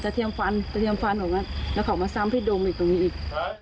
แดดตะเทียมฟันของนั้นแล้วเขามาซ้ำพิษดมตรงนี้อีก